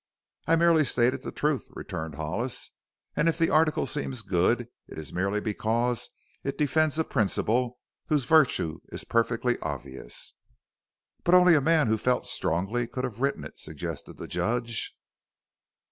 "I've merely stated the truth," returned Hollis, "and if the article seems good it is merely because it defends a principle whose virtue is perfectly obvious." "But only a man who felt strongly could have written it," suggested the Judge.